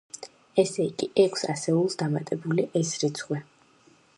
ესე იგი, ექვს ასეულს დამატებული ეს რიცხვი.